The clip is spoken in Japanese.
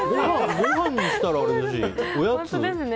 ごはんにしたらあれだしおやつ？